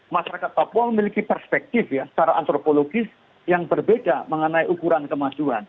masyarakat papua memiliki perspektif ya secara antropologis yang berbeda mengenai ukuran kemajuan